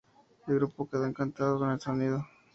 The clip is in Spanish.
El grupo quedó encantado con el sonido.